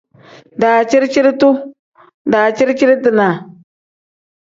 Daciri-ciri-duu pl: daciri-ciri-dinaa n.